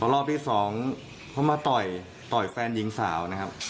รอบที่สองเขามาต่อยต่อยแฟนหญิงสาวนะครับ